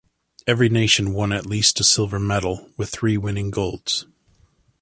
Every nation won at least a silver medal, with three winning golds.